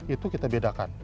itu kita bedakan